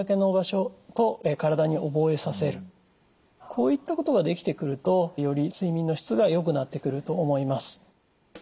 こういったことができてくるとより睡眠の質がよくなってくると思います。